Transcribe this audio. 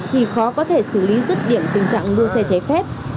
thì khó có thể xử lý rứt điểm tình trạng đua xe trái phép